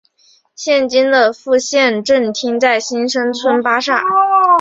现今的副县政厅在新生村巴刹。